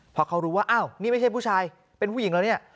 พอเขารู้ว่าอ้าวนี่ไม่ใช่ผู้ชายเป็นผู้หญิงแล้วเนี่ย